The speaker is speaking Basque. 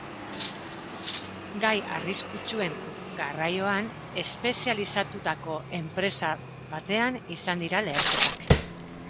Gai arriskutsuen garraioan espezializatutako enpresa batean izan dira leherketak.